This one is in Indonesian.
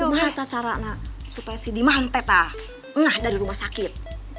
bagaimana cara supaya si diman tetap dari rumah sakit